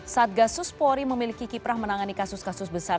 satgasus polri memiliki kiprah menangani kasus kasus besar